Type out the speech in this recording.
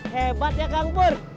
hebat ya kang pur